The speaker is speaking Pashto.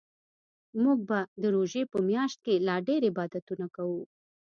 موږ به د روژې په میاشت کې لا ډیرعبادتونه کوو